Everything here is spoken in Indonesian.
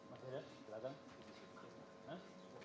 mas hedad silakan